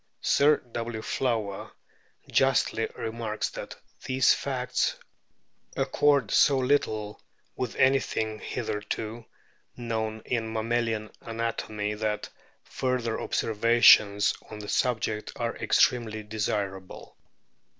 Sir W. Flower justly remarks that these facts "accord so little with anything hitherto known in mammalian anatomy that further observations on the subject are extremely desirable."